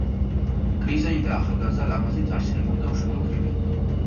გრიზეიდა ახალგაზრდა, ლამაზი, წარჩინებული და უშვილო ქვრივია.